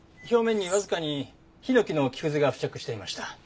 表面にわずかにヒノキの木くずが付着していました。